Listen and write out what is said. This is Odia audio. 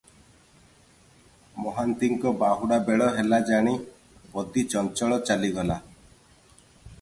ମହାନ୍ତିଙ୍କ ବାହୁଡ଼ା ବେଳ ହେଲା ଜାଣି ପଦୀ ଚଞ୍ଚଳ ଚାଲିଗଲା ।